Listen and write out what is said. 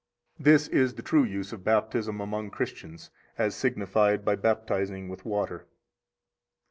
68 This is the true use of Baptism among Christians, as signified by baptizing with water.